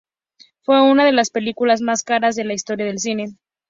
Fue una de las películas más caras de la historia del cine.